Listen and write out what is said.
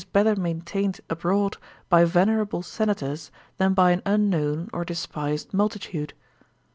62 THE SOCIAL CONTRACT maintained abroad by venerable senators than by an unknown or despised multitude.